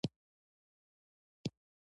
ایا د ورځې خوب کوئ؟